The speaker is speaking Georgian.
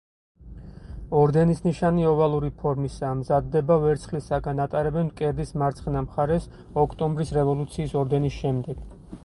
ორდენის ნიშანი ოვალური ფორმისაა, მზადდება ვერცხლისაგან, ატარებენ მკერდის მარცხენა მხარეს, ოქტომბრის რევოლუციის ორდენის შემდეგ.